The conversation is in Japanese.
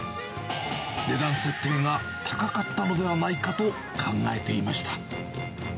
値段設定が高かったのではないかと考えていました。